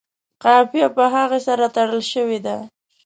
قافیه په هغه سره تړلې شوې ده.